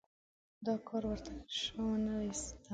دا کار ورته شه ونه ایسېده.